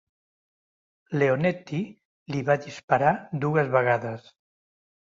Leonetti li va disparar dues vegades.